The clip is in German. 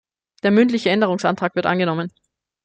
Der mündliche Änderungsantrag wird angenommen.